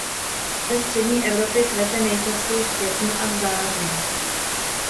Ve střední Evropě kvete nejčastěji v květnu až v září.